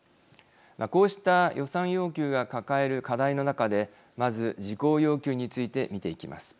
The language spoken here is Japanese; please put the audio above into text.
こうした予算要求が抱える課題の中でまず事項要求について見ていきます。